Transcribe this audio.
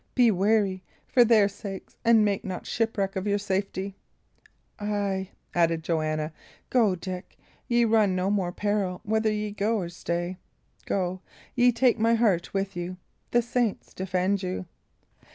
Be wary, for their sakes, and make not shipwreck of your safety." "Ay," added Joanna, "go, Dick. Ye run no more peril, whether ye go or stay. Go; ye take my heart with you; the saints defend you!"